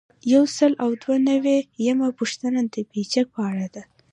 یو سل او دوه نوي یمه پوښتنه د بیجک په اړه ده.